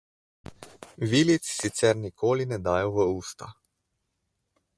Vilic sicer nikoli ne dajo v usta.